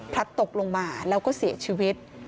ตกลงมาแล้วก็เสียชีวิต